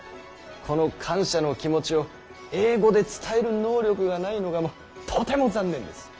この感謝の気持ちを英語で伝える能力がないのがもうとても残念です。